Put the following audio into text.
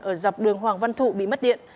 ở dọc đường hoàng văn thụ bị mất điện